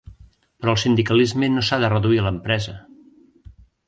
Però el sindicalisme no s’ha de reduir a l’empresa.